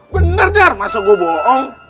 bener dar masa gue bohong